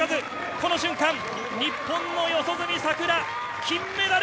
この瞬間、日本の四十住さくら、金メダル。